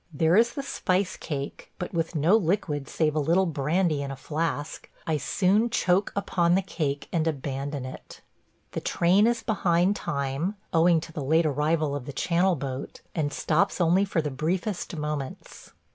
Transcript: There is the spice cake, but with no liquid save a little brandy in a flask, I soon choke upon the cake and abandon it. The train is behind time, owing to the late arrival of the Channel boat, and stops only for the briefest moments.